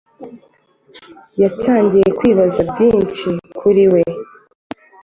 yatangiye kwibaza byinshi kuriwe